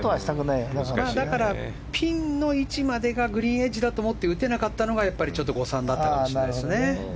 だからピンの位置までがグリーンエッジだと思って打てなかったのが誤算だったかもしれないですね。